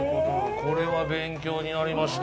これは勉強になりました。